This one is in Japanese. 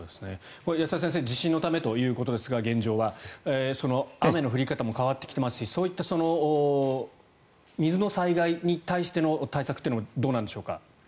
安田先生、現状は地震のためということですが雨の降り方も変わってきていますしそういった水の災害に対しての対策というのはどうなんでしょうか？